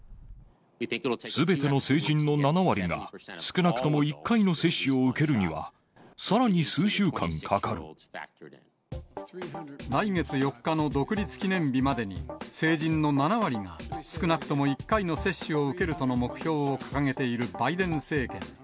すべての成人の７割が、少なくとも１回の接種を受けるには、来月４日の独立記念日までに、成人の７割が、少なくとも１回の接種を受けるとの目標を掲げているバイデン政権。